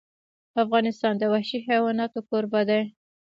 افغانستان د وحشي حیوانات کوربه دی.